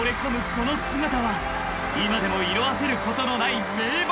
この姿は今でも色あせることのない名場面］